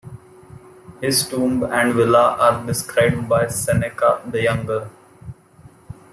His tomb and villa are described by Seneca the Younger.